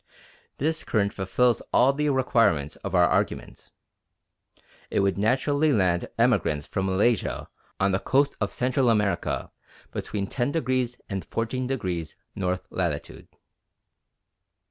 This current fulfils all the requirements of our argument. It would naturally land emigrants from Malaysia on the coast of Central America between 10° and 14° north latitude.